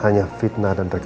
hanya fitnah dan rekayasa